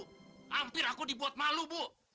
hampir aku dibuat malu bu